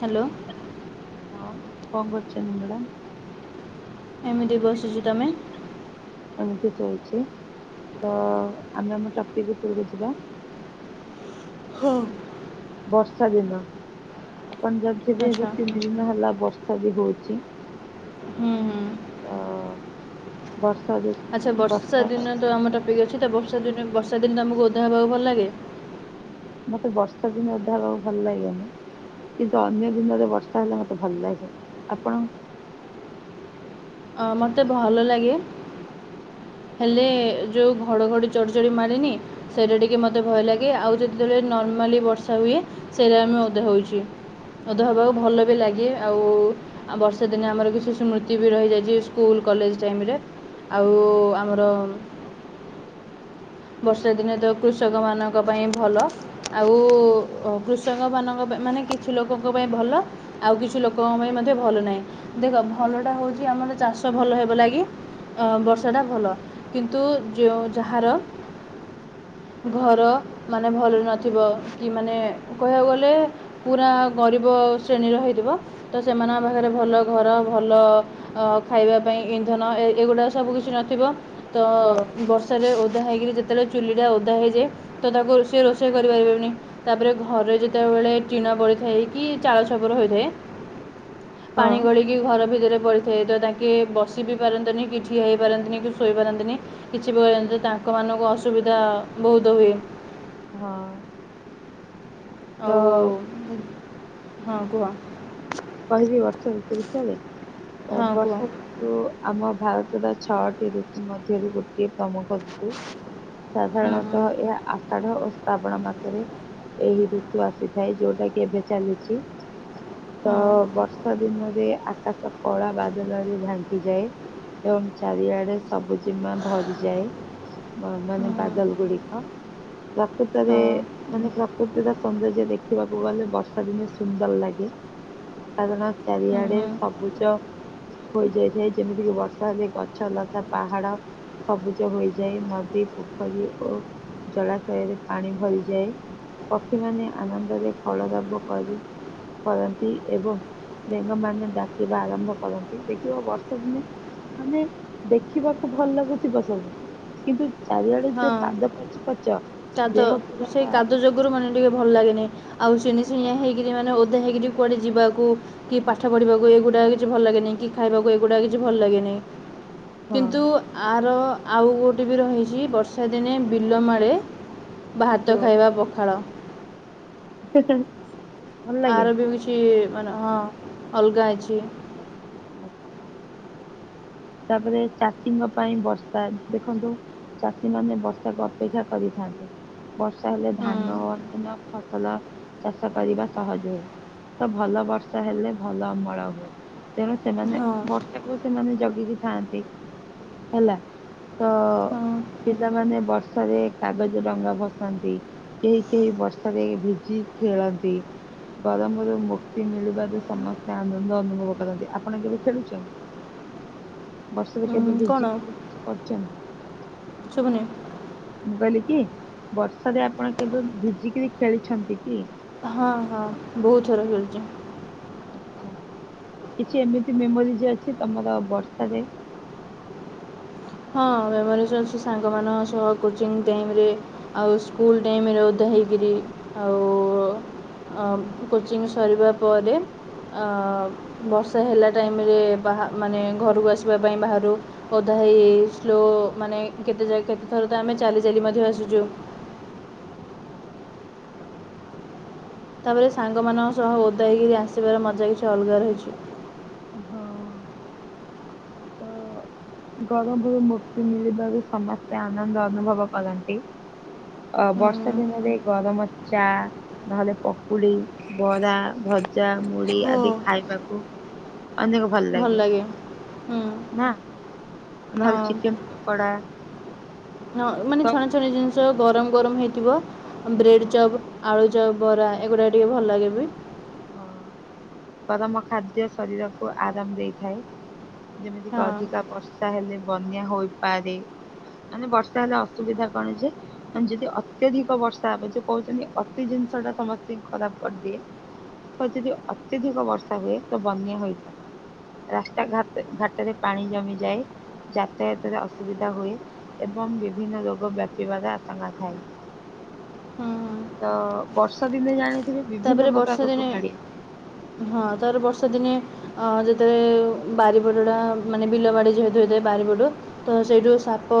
Hello. ହଁ କଣ କରୁଚନ୍ତିି ମ୍ୟାଡ଼ାମ୍? ଏମିତି ବ ମତିିବମେ [inaudible] ଏମିତି ଶୋଇଛି ତ ଆମେ ଆମ ଟପିକ୍ ଉପରକୁ ଯିବା। ହଁ। ବର୍ଷା ଦିନ ଆପଣ ଜାଣିଥିବେ ଏବେ ଆଚ୍ଛା ତିନି ଦିନ ହେଲା ବର୍ଷା ବଷା ବି ହଉଛି ହୁଁ ହୁଁ ତ ବର୍ଷା ଯ ଆଚ୍ଛା ବର୍ଷା ଦିନ ତ ଆମ ଟପିକ୍ ଅଛି ତ ବର୍ଷା ଦିନ ବର୍ଷା ଦିନ ତ ଆମକୁ ଓଦା ହେବାକୁ ଭଲ ଲାଗେ। ମତେ ବର୍ଷା ଦିନେ ଅଧା ହେବାକୁ ଭଲ ଲାଗେନି। କିନ୍ତୁ ଅନ୍ୟ ଦିନରେ ବର୍ଷା ହେଲେ ମତେ ଭଲ ଲାଗେ ଆପଣଙ୍କୁ? ଆ ମୋତେ ଭଲ ଲାଗେ ହେଲେ ଯୋଉ ଘଡଘଡି ଚଡଚଡି ମାରେନି ସେଇଟା ଟିକେ ମୋତେ ଭୟ ଲାଗେ ଆଉ ଯେତେବେଳେ ନର୍ମାଲି ବର୍ଷା ହୁଏ ସେଇଟା ଆମେ ଓଦା ହଉଛି। ଓଦା ଆଚ୍ଛା ହେବାକୁ ଭଲ ବି ଲାଗେ ଆଉ ଆଉ ବର୍ଷା ଦିନେ ଆମର କିଛି ସ୍ମୃତି ବି ରହିଯାଇ ଯେ ସ୍କୁଲ କଲେଜ ଟାଇମରେ ଆଉ ଆମର ବର୍ଷା ଦିନେ ତ କୃଷକମାନଙ୍କ ପାଇଁ ଭଲ। ଆଉ କୃଷକ ମାନଙ୍କ ପାଇଁ ମାନେ କିଛି ଲୋକଙ୍କ ପାଇଁ ଭଲ ଆଉ କିଛି ଲୋକଙ୍କ ପାଇଁ ମଧ୍ୟ ଭଲ ନାହିଁ ଦେଖ ଭଲଟା ହେଉଛି ଆମର ଚାଷ ଭଲ ହେବ ଲାଗି ଅ ବର୍ଷାଟା ଭଲ କିନ୍ତୁ ଯେଉଁ ଯାହାର ଘର ମାନେ ଭଲ ନଥିବ କି ମାନେ କହିବାକୁ ଗଲେ ପୁରା ଗରିବ ଶ୍ରେଣୀର ହେଇଥିବ ତ ସେମାନଙ୍କ ପାଖରେ ଭଲ ଘର ଭଲ ଖାଇବା ପାଇଁ ଇନ୍ଧନ ଏ-ଏଗୁଡ଼ାକ ସବୁ କିିଛି ନଥିବ ତ ହଁ ବର୍ଷାରେ ଓଦା ହୋଇକିରି ଯେତେବେଳେ ଚୁଲିଟା ଓଦା ହୋଇଇଯାଏ ତ ତାକୁ ସିଏ ରୋଷେଇ କରିପାରିବେ ବେନି। ତାପରେ ଘରେ ଯେତେବେଳେ ଟିଣା ପଡ଼ିଥାଏ କି ଚାଳଛପର ହୋଇଥାଏ ହଁ ପାଣି ଗଳିକି କି ଘର ଭିତରେ ପଡ଼ିଥାଏ ତ ତାଙ୍କେ ବସି ବି ପାରନ୍ତି ନି କି ଠିଆ ହୋଇ ପାରନ୍ତିନି କି ଶୋଇ ପାରନ୍ତିନି କିଛି ପ୍ରକାରେ ଜାଣିଚ ତାଙ୍କ ମାନଙ୍କୁ ଅସୁବିଧା ବହୁତ ହୁଏ [unintelligible] ହଁ। ତ ଆଉ ହଁ କୁହ। କହିବି ବର୍ଷା ଋତୁ ବିଷୟରେ ହଁ କୁହ ବର୍ଷା ରି ଯୋଉ ଆମ ଭାରତର ଛଅଟି ଋତୁ ମଧ୍ୟରୁ ଗୋଟେ ଗୋଟିଏ ପ୍ରମଖ ଋତୁ ହଁ ସାଧାରଣତଃ ଏହା ଆଷାଢ ଓ ଶ୍ରାବଣ ମାସରେ ଏହି ଋତୁ ଆସିଥାଏ ଯୋଉଟା କି ଏବେ ଚାଲିଛି ତ ହଁ ବର୍ଷ ବର୍ଷା ଦିନରେ ଆକାଶ କଳା ବାଦଲ ରେ ଝାଙ୍କିଯାଏ ଏବଂ ଚାରିଆଡେ ସବୁଜିମା ଭରିଯାଏ ମା -ମାନେ ହଁ ହଁ ବାଦଲ ଗୁଡ଼ିକ। ପ୍ରକୃତରେ ହଁ ମାନେ ପ୍ରକୃତିର ସୌନ୍ଦର୍ଯ୍ୟ ଦେଖ ଦେଖିବାକୁ ଗଲେ ବର୍ଷା ଦିନେ ସୁନ୍ଦର ଲାଗେ କାରଣ ହୁଁ ଚାରିଆଡେ ହୁଁ ସବୁଜ ହୋଇଯାଇଥାଏ ଯେମିତିକି ବର୍ଷା ହେଲେ ଗଛ, ଲତା, ପାହାଡ ସବୁଜ ହୋଇଯାଏ ନଦୀ ପୋଖରୀ ଓ ଜଳାଶୟରେ ପାଣି ଭରିଯାଏ। ପକ୍ଷୀମାନେ ଆନନ୍ଦରେ ଖଳ ରାବ କରି କରନ୍ତି। ଏବଂ ବେଙ୍ଗମାନେ ଡାକିବା ଆରମ୍ଭ କରନ୍ତି ଦେଖିବ ବର୍ଷା ଦିନେ ମାନେ ଦେଖିବାକୁ ଭଲ ଲାଗୁଥିବ ସବୁ। କିନ୍ତୁ ଚାରିଆଡେ ଯୋଉ ହଁ କାଦୁଅ ପଚ ପଚ ଦେହ ପୁରା ଆଗରୁ ମାନେ ଟିକେ ଭଲ ଲାଗେନି ଆଉ ସିଙ୍ଗି ସଙ୍ଗିଆ ହଁ ହେଇକିରି ମାନେ ଓଦା ହେଇକରି କୁଆଡ଼େ ଯିବାକୁ କି ପାଠ ପଢ଼ିବାକୁ ଏଗୁଡ଼ାକ କିଛି ଭଲ ଲାଗେନି କି ଖାଇବାକୁ ଏଗୁଡ଼ାକ କିଛି ଭଲ ଲାଗେନି। ହଁ କିନ୍ତୁ ଆର ଆଉ ଗୋଉ ଗୋଟେ ବି ରହିଛି ବର୍ଷା ଦିନେ ବିଲମାଳେ ଭାତ ଖାଇବା ପଖାଳ। ହେଁ, ହେଁ [unintelligible] ଆର ବି କିଛି ମାନେ ହଁ ଅଲଗା ଅଛି। ଆଚ୍ଛା। ତାପରେ ଚାଷୀଙ୍କ ପାଇଁ ବର୍ଷା ଦେଖନ୍ତୁ ଚାଷୀ ମାନେ ବର୍ଷାକୁ ଅପେକ୍ଷା କରିଥାନ୍ତି ବର୍ଷା ହେଲେ ଧାନ ଓ ହଁ ଅନ୍ୟାନ୍ୟ ଫ ଭଲ ଚାଷ କରିବା ସହଜ ହୁଏ ତ ଭଲ ବର୍ଷା ହେଲେ ଭଲ ଅମଳ ହୁଏ। ତେଣୁ ସେମାନେ ହଁ ବର୍ଷାକୁ ସେମାନେ ଜଗିକି ଥାଆନ୍ତି ହେଲା। ତ ହଁ ପିଲାମାନେ ବର୍ଷାରେ କାଗଜ ଡଙ୍ଗା ଭସାନ୍ତି। କେହି କେହି ବର୍ଷାରେ ଭିଜି ଖେଳନ୍ତି। ଗରମରୁ ମୁକ୍ତି ମିଳିବାରୁ ସମସ୍ତେ ଆନନ୍ଦ ଅନୁଭବ କରନ୍ତି, ଆପଣ କେବେ ଖେଳୁଛନ୍ତି? ବର୍ଷାରେ କେବେ କ'ଣ ଭିଜିକିରି କିଛି କରିଛନ୍ତି? ଶୁଭୁନି ମୁଁ କହିଲି କି ବର୍ଷାରେ ଆପଣ କେବେ ଭିଜିକିରି ଖେଳିଛନ୍ତି କି? ହଁ ହଁ ବହୁତ ଥର ଖେଳିଛି। ଆଛା, କିଛି ଏମିତି ମେମୋରିଜ ଅଛି ତମର ବର୍ଷାରେ? ହଁ ମେମୋରିଜ ଅଛି ସାଙ୍ଗମାନଙ୍କ ସହ କୋଚିଂ ଟାଇମରେ ଆଉ ସ୍କୁଲ ଟାଇମ ରେ ଓଦା ହେଇକିରି ଆଉ କୋଚିଂ ସରିବା ପରେ ହୁଁ, ବର୍ଷା ହେଲା ଟାଇମରେ ବା ମାନେ ଘରକୁ ଆସିବା ପାଇଁ ବାହାରୁ ଅଧା ହେ ଭାଇ ସ୍ଲୋ ମାନେ କେତେ ଯାଗ କେତେଥର ତ ଆମେ ଚାଲି ଚାଲି ମଧ୍ୟ ଆସୁଛୁ ତାପରେ ସାଙ୍ଗମାନଙ୍କ ସହ ଓଦ ହୋଇକିରି ଆସିବାର ମଜା କିଛି ଅଲଗା ରହିଛି। ହଁ। ଗରମପରୁ ମୁକ୍ତି ମିଳିବାରୁ ସମସ୍ତେ ଆନନ୍ଦ ଅନୁଭବ କରନ୍ତି। ଅ ବର୍ଷା ଦିନରେ ଗରମ ଚା ନହେଲେ ପକୁଡି ବରା ଭଜା ମୁଢି ହଁ ଆଦି ଖାଇବାକୁ ଅନେକ ଭଲ ଲାଗେ ନା? ନହେଲେ ହଁ ଚିକେନ ପକୋଡ଼ା ହଁ ମାନେ ଛଣା ଛଣି ଜିନିଷ ଗରମ ଗରମ ହେଇଥିବ ବ୍ରେଡ ହଁ ଚପ୍ ଆଳୁଚପ ବରା ଏଗୁଡ଼ା ଟିକେ ଭଲ ଲାଗେ ବି ହଁ ଗରମ ଖାଦ୍ୟ ଶରୀରକୁ ଆରାମ ଦେଇଥାଏ। ଯେମିତିକ ହଁ ହଁ ଅଧିକା ବର୍ଷା ହେଲେ ବନ୍ୟା ହୋଇପାରେ ମାନେ ବର୍ଷା ହେଲେ ଅସୁବିଧା କଣ ଯେ? ଯଦି ଅତ୍ୟଧିକ ବର୍ଷା ହବ ଯୋଉ କହୁଛନ୍ତି ଅତି ଜିନିଷ ଟା ସମସ୍ତଙ୍କୁ ଖରାପ କରିଦିଏ। ତ ଯଦି ଅତ୍ୟଧିକ ବର୍ଷା ହୁଏ ତ ବନ୍ୟା ହୋଇପାରେ। ରାସ୍ତା ଘାଟ ଘାଟରେ ପାଣି ଜମିଯାଏ ଯାତାୟତରେ ଅସୁବିଧା ହୁଏ ଏବଂ ବିଭିନ୍ନ ରୋଗ ବ୍ୟାପିବାର ଆଶଙ୍କା ଥାଏ। ହୁଁ। ତ ବର୍ଷା ଦିନେ ଜାଣିଥିବେ ବିଭିନ୍ନ ତା'ପରେ ପ୍ରକାର ରୋଗ ବର୍ଷାଦିନେ ମାଡି ହଁ ତାର ବର୍ଷା ଦିନେ ଅ ଯେତେବେଳେ ବାରିପଟ ଟା ମାନେ ବିଲ ବାଡି ଯେହେତୁ ହୋଇଥାଏ ବାରିପଟ ତ ସେଇଠୁ ସାପ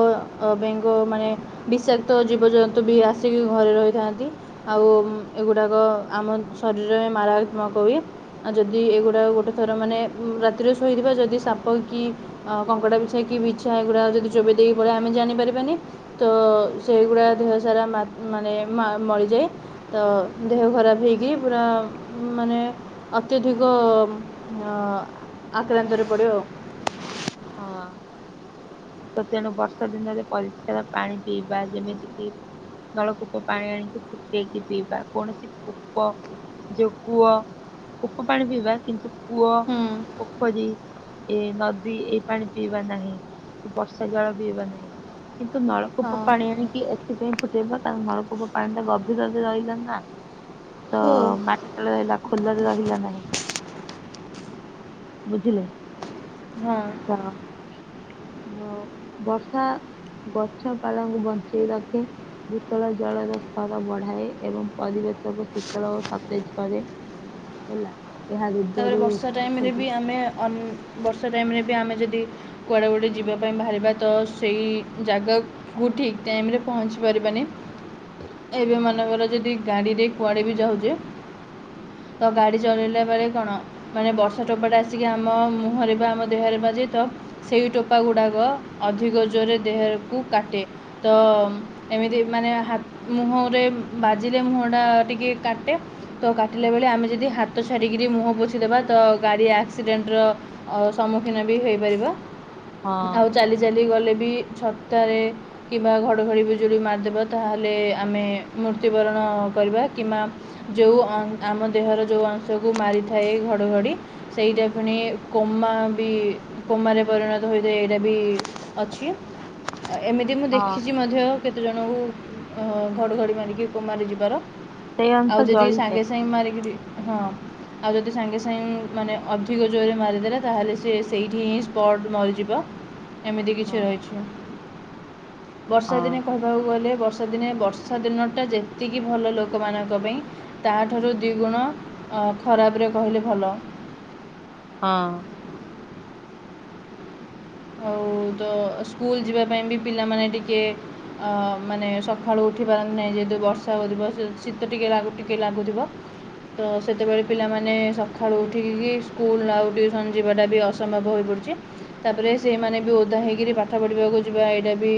ବେଙ୍ଗ ମାନେ ବିଷାକ୍ତ ଜୀବଜନ୍ତୁ ବି ଆସିକି ଘରେ ରହିଥାନ୍ତି ଆଉ ଏଗୁଡ଼ାକ ଆମ ଶରୀରରେ ମାରାତ୍ମକ ହୁଏ ଆଉ ଯଦି ଏଗୁଡା ଗୋଟେ ଥର ମାନେ ରାତିରେ ଶୋଇଥିବା ଯଦି ସାପ କି ଆ କଙ୍କଡା ବିଛା କି ବିଛା ଏଇଗୁଡା ଯଦି ଚୋବେଇ ଦେଇକି ପଳେଇବେ ଆମେ ଜାଣି ପାରିବାନି ତ ସେଇଗୁଡା ଦେହ ସାରା ମାନେ ମଳିଯାଏ ତ ଦେହ ଖରାପ ହେକି ପୁରା ମାନେ ଅତ୍ୟଧିକ ଆକ୍ରାନ୍ତ ରେ ପଡ଼ିବ ଆଉ। ହଁ। ତ ତେଣୁ ବର୍ଷା ଦିନରେ ପରିଷ୍କାର ପାଣି ପିଇବା ଯେମିତି କିି ନଳକୂପ ପାଣି ଆଣିକି ଫୁଟେଇକି ପିଇବା କୌଣସି କୂପ ଯେଉ କୂଅ କୁପ ପାଣି ପିଇବା କିନ୍ତୁ କୂଅ ହୁଁ ପୋଖରୀ ଏ ନଦୀ ଏ ପାଣି ପିଇବା ନାହିଁ କି ବର୍ଷା ଜଳ ପିଇବା ନାହିଁ। କିନ୍ତୁ ହଁ ନଳକୂପ ପାଣି ଆଣିକି ଏଥିପାଇଁ ଫୁଟେଇବା କାରଣ ନଳକୂପ ପାଣି ଟା ଗଭୀରରେ ରହିଲା ନା। ତ ହୋ ମାଟି ତଳେ ରହିଲା ଖୋଲାରେ ରହିଲା ନାହିଁ। ବୁଝିଲେ? ହଁ। ବ-ବର୍ଷା ଗଛପାଳଙ୍କୁ ବଞ୍ଚେଇ ରଖେ। ଭୂତଳ ଜଳର ସ୍ତର ବଢାଏ ଏବଂ ପରିବେଶକୁ ଶୀତଳ ଓ ସତେଜ୍ କରେ। ହେଲା। ଏହା ତାପରେ ରୋଗରୁ ବର୍ଷା ଟାଇମ୍ ସୁରକ୍ଷା ରେ ଦିଏ। ବି ଆମେ ଅମ୍ ବର୍ଷା ଟାଇମ୍ ରେ ବି ଆମେ ଯଦି କୁଆଡେ ଗୋଟେ ଯିବା ପାଇଁ ବାହାରିବା ତ ସେଇ ଜାଗାକୁ କୁ ଠିକ୍ ଟାଇମ୍ ରେ ପହଞ୍ଚି ପାରିବାନି। ଏବେ ହଁ। ମନେକର ଯଦି ଗାଡିରେ କୁଆଡେ ବି ଯାଉଚେ ତ ଗାଡି ଚଲେଇଲା ପରେ କଣ ମାନେ ବର୍ଷା ଟୋପାଟା ଆସିକି ଆମ ମୁହଁରେ ବା ଆମ ଦେହରେ ବାଜେ ତ ସେଇ ଟୋପା ଗୁଡାକ ଅଧିକ ଜୋରରେ ଦେହକୁ କାଟେ ତ ଏମିତି ମାନେ ହା-ମୁହଁରେ ବାଜିଲେ ମୁହଁ ଟା ଟିକେ କାଟେ। ତ କାଟିଲା ହଁ ବେଳେ ଆମେ ଯଦି ହାତ ଛାଡିକି କିରି ମୁହଁ ପୋଛିଦେବା ତ ଗାଡି ଆକ୍ସିଡେଣ୍ଟର ଅ ସମ୍ମୁଖୀନ ବି ହେଇପାରିବ। ହଁ ଆଉ ଚାଲି ଚାଲି ଗଲେ ବି ଛତାରେ କିମ୍ବା ଘଡ଼ଘଡ଼ି ବିଜୁଳି ମାରିଦେବ ତାହେଲେ ଆମେ ମୃତ୍ୟୁବରଣ କରିବା କିମ୍ବା ଯୋଉ ଆମ ଦେହର ଯୋଉ ଅଂଶକୁ ମାରିଥାଏ ଘଡ଼ଘଡ଼ି ସେଇଟା ପୁଣି କୋମା ବି କୋମାରେ ପରିଣତ ହୋଇଥାଏ ଏଇଟା ବି ଅଛି। ହ [inaudible] ଆ-ଏମିତି ମୁଁ ଦେଖିଚି ମଧ୍ୟ କେତେଜଣଙ୍କୁ ଅ ଘଡ଼ଘଡ଼ି ମାରିକି କୋମାରେ ଯିବାର। ସେଇ ଅଂଶ ଆଉ ଯେଦି ଜଳିଯାଏ ସାଙ୍ଗେସାଙ୍ଗ୍ ମାରିକିରି ହଁ ଆଉ ଯଦି ସାଙ୍ଗେ ସାଙ୍ଗ୍ ମାନେ ଅଧିକ ଜୋରରେ ମାରିଦେଲା ତାହେଲେ ସେ ସେଇଠି ହିଁ ସ୍ପଟ୍ ମରିଯିବ। ଏମିତି ହଁ କିଛି ରହିଛି। ହଁ। ବର୍ଷାଦିନେ କହିବାକୁ ଗଲେ ବର୍ଷା ବର୍ଷା ଦିନେ ବର୍ଷା ଦିନଟା ଯେତିକି ଭଲ ଲୋକମାନଙ୍କ ପାଇଁ ତାହାଠାରୁ ଦୁିଗୁଣ ଅ ଖରାପରେ କହିଲେ ଭଲ। ହଁ। ଆଉ ତ ସ୍କୁଲ ଯିବା ପାଇଁ ବି ପିଲାମାନେ ଟିକେ ଅ ମାନେ ସଖାଳୁ ଉଠି ପାରନ୍ତି ନାହିଁ, ଯେହେତୁ ବର୍ଷା ହଉଥିବ ଶ-ଶୀତ ଟିକେ ଲାଗୁ-ଟିକେ ଲାଗୁଥିବ। ତ ସେତେବେଳେ ପିଲାମାନେ ସଖାଳୁ ଉଠିକି କି ସ୍କୁଲ ଆଉ ଟିୁଉସନ ଯିବାଟା ବି ଅସ ସମ୍ଭବ ହୋଇପଡୁଚି, ତାପରେ ସେଇମାନେ ବି ଓଦା ହେଇକିରି ପାଠ ପଢିବାକୁ ଯିବା ଏଇଟା ବି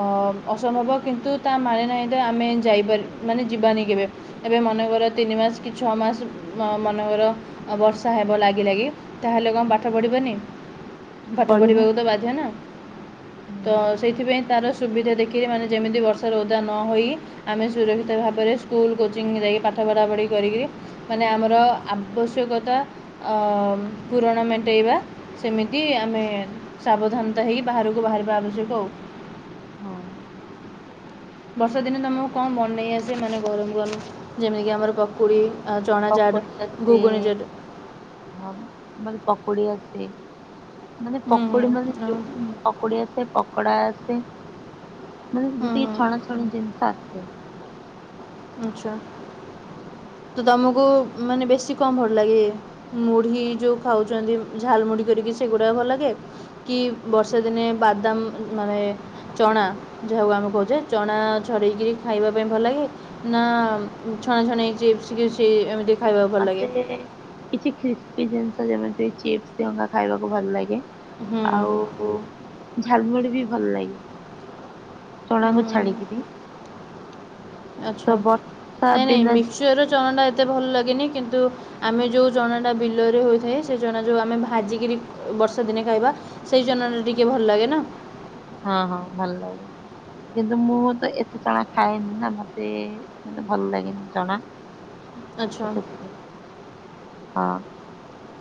ଅ-ଅସମ୍ଭବ କିନ୍ତୁ ତା ମାନେ ନାହିଁ ତ ଆମେ ଯାଇପାରି ମାନେ ଯିବାନି କେବେ। ଏବେ ମନେକର ତିନି ମାସ୍ କି ଛଅ ମାସ୍ ମ-ମନେକର ଅ ବର୍ଷା ହେବ ଲାଗିଲାଗି ତାହେଲେ କଣ ପାଠ ପଢିବନି। ପାଠ ପଢିବା ପଢିବାକୁ ତ ବାଧ୍ୟ ନା। ତ ହୁଁ ସେଇଥିପାଇଁ ତାର ସୁବିଧା ଦେଖିକିରି ମାନେ ଯେମିତି ବର୍ଷାରେ ଓଦା ନହେଇ ଆମେ ସୁରକ୍ଷିତ ଭାବରେ ସ୍କୁଲ କୋଚିଂ ଯାଇକି ପାଠ ପଢାପଢି କରିକିରି ମାନେ ଆମର ଆବଶ୍ୟକତା ଅ ପୂରଣ ମେଣ୍ଟେଇବା ସେମିତି କି ଆମେ ସାବଧାନତା ହେଇକି ବାହାରକୁ ବାହାରିବା ଆବଶ୍ୟକ ଆଉ। ହଁ। ବର୍ଷା ଦିନେ ତମକୁ କଣ ବନେଇ ଆସେ ମାନେ ଗରମ ଗରମ ଯେମିତି କି ଆମର ପକୁଡ଼ି। ଆଉ ଚଣା ଚାଟ, ପକୁଡି ଆସେ ଘୁଗୁନି ସହିତ। ହଁ ମତେ ପକୁଡି ଆସେ ମାନେ ପକୁଡି ମାନେ ଯୋଉ ଉଁ। ପକୁଡି ଆସେ ପକୋଡା ଆସେ ମାନେ ଯେତିକି ଛଣା ଛଣି ଜିନିଷ ଆସେ। ଆଚ୍ଛା। ତ ତମକୁ ଉଁ ମାନେ ବେଶୀ କଁ ଭଲ ଲାଗେ? ମୁଢି ଯୋଉ ଖାଉଛନ୍ତି ଝାଲ ମୁଢି କରିକି ସେଗୁଡା ଭଲ ଲାଗେ। କି ବର୍ଷା ଦିନେ ବାଦାମ ମାନେ। ଚଣା ଯାହାକୁ ଆମେ କହୁଛେ ଚଣା ଛଡେଇକିରି ଖାଇବା ପାଇଁ ଭଲ ଲାଗେ। ନା ଉଁ ଛଣା ଛଣି ଚିପ୍ସ ଫିପ୍ସ ଏମିତି। ଖାଇବାକୁ ଭଲ ଲାଗେ ମତେ କିଛି ଖ୍ରିସ୍ପି ଜିନିଷ ଯେମିତି ଚିପ୍ସ [unintelligible] ଖାଇବାକୁ ଭଲ ଲାଗେ। ହୁଁ ଆଉ ଝାଲମୁଢ଼ି ବି ଭଲ ଲାଗେ। ଚଣାକୁ ଛାଡ଼ିକିରି। ଆଚ୍ଛା ନାଇଁ ନାଇଁ ମିକ୍ସଚରର ଚଣାଟା ଏତେ ଭଲ ଲାଗେନି କିନ୍ତୁ। ଆମେ ଯଉ ଚଣାଟା ବିଲରେ ହୋଇଥାଏ ସେ ଚଣା ଯଉ ଆମେ ଭାଜିକିରି ଅ ବର୍ଷା ଦିନେ ଖାଇବା। ସେଇ ଚନା ଟା ଟିକେ ଭଲ ଲାଗେ ନା। ହଁ ହଁ ଭଲ ଲାଗେ। କିନ୍ତୁ ମୁଁ ତ ଏତେ ଚଣା ଖାଏନି ନା ମତେ ମତେ ଭଲ ଲାଗେନି ଚଣା। ହ ଆଚ୍ଛା। ହଁ।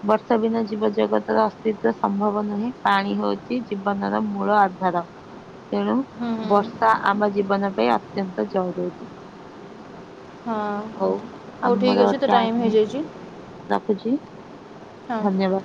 ବର୍ଷା ବିନା ଜୀବ ଜଗତର ଅସ୍ତିତ୍ଵ ସମ୍ଭବ ନୁହେଁ ପାଣି ହଉଛି ଜୀବନର ମୂଳ ଆ ଧାର ତେଣୁ। ହୁଁ ହୁଁ। ବର୍ଷା ଆମ ଜୀବନ ପାଇଁ ଅତ୍ୟନ୍ତ ଜରୁରୀ। ହଁ ହଉ ହଉ ଠିକ୍ ଆମର ଅଛି ତ ଟାଇମ୍ ହେଇଯାଇ ହେଇଯାଇଛି ରଖୁଛି ହଁ ଧନ୍ୟବା